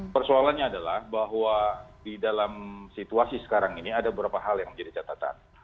persoalannya adalah bahwa di dalam situasi sekarang ini ada beberapa hal yang menjadi catatan